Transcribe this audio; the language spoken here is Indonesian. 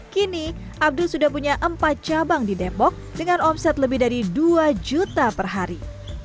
kini abdul sudah punya empat cabang di depok dengan omset lebih dari dua juta per hari